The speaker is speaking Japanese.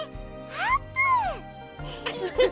あーぷん！